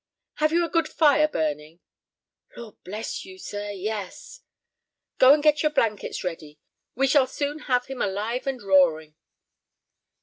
"Have you a good fire burning?" "Lord bless you, sir, yes." "Go and get your blankets ready. We shall soon have him alive and roaring."